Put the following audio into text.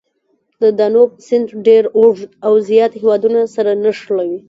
د دانوب سیند ډېر اوږد او زیات هېوادونه سره نښلوي.